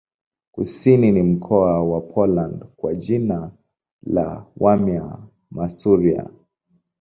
Kusini ni mkoa wa Poland kwa jina la Warmia-Masuria.